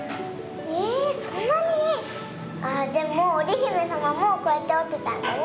ええっそんなに⁉ああでもおりひめさまもこうやっておってたんだね！